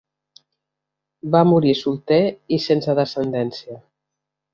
Va morir solter i sense descendència.